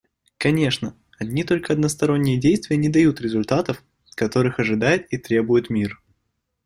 Конечно, одни только односторонние действия не дают результатов, которых ожидает и требует мир.